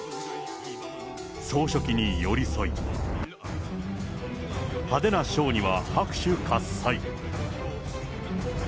総書記に寄り添い、派手なショーには拍手喝さい。